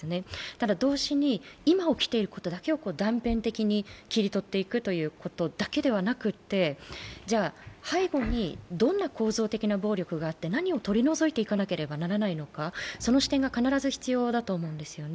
ただ、同時に今起きていることだけを断片的に切り取っていくことだけではなくて背後にどんな構造的な暴力があって何を取り除いていかなければならないのかその視点が必ず必要だと思うんです。